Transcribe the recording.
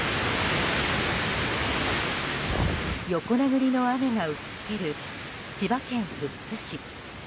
横殴りの雨が打ち付ける千葉県富津市。